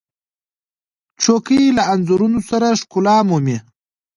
چوکۍ له انځورونو سره ښکلا مومي.